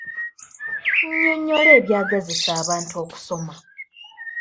Nnyinyonnyola ebyagazisa abantu okusoma.